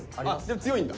強いんだ？